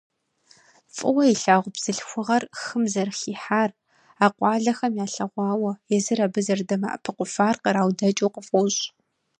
ФӀыуэ илъагъу бзылъхугъэр хым зэрыхихьар а къуалэхэм ялъэгъуауэ, езыр абы зэрыдэмыӀэпыкъуфар къраудэкӀыу къыфӀощӀ.